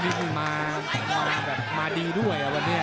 แต่ถ้ามันไม่มาเรื่อยเลย